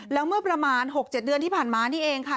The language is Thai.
แล้วเมื่อประมาณ๖๗เดือนที่ผ่านมานี่เองค่ะ